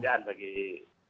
salam sejahtera bagi